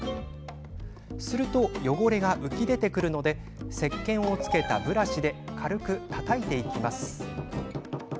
すると、汚れが浮き出てくるのでせっけんをつけたブラシで軽くたたきます。